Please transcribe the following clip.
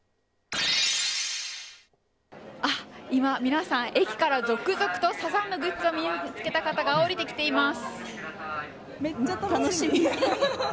今、皆さん、駅から続々とサザンのグッズを身に着けた方が下りてきています。